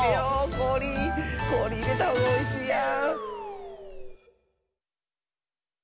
こおりこおりいれたほうおいしいやん！